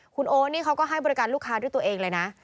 คุณโอ๊ตนี่เขาก็ให้บริการลูกค้าด้วยตัวเองเลยนะ